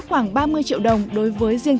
khoảng ba mươi triệu đồng đối với riêng